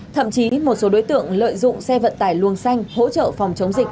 thậm chí một số đối tượng lợi dụng xe vận tải luồng xanh hỗ trợ phòng chống dịch